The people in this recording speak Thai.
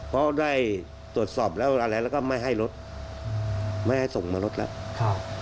เพราะได้ตรวจสอบแล้วอะไรแล้วก็ไม่ให้รถไม่ให้ส่งมารถแล้ว